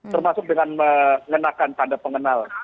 termasuk dengan mengenakan tanda pengenal